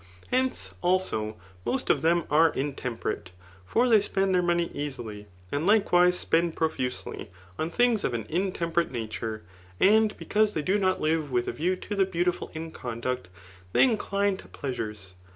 Hence, also, most of them are intemperate ; fior as they spend their money ea^y, they likewise spend profusely, on things of an intemperate nature ; and t^ canse th^ do i^ot live with a view to the beautiful in con* (hict; they inclme to pleasures.